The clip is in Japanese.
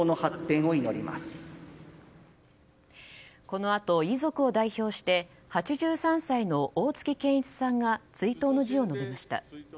このあと、遺族を代表して８３歳の大月健一さんが追悼の辞を述べられました。